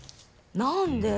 何で？